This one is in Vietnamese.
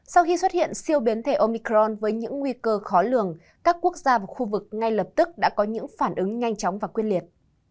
sau khi xuất hiện siêu biến thể omicron với những nguy cơ khó lường các quốc gia và khu vực ngay lập tức đã có những phản ứng nhanh chóng và quyết liệt